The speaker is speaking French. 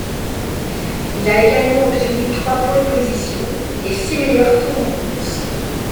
Il a également obtenu trois pole positions et six meilleurs tours en course.